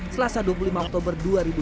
selasa dua puluh lima oktober dua ribu dua puluh